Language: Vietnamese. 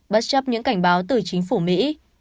bất chấp những cảnh báo từ chính phủ mỹ